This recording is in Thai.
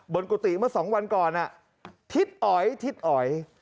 กุฏิเมื่อสองวันก่อนทิศอ๋อยทิศอ๋อย